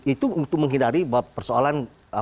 itu untuk menghindari persoalan